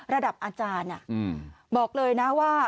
ระดับอาจารย์บอกเลยนะว่า